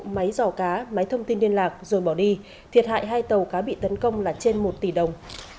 máy dò cá máy thông tin liên lạc rồi bỏ đi thiệt hại hai tàu cá bị tấn công là trên một tỷ đồng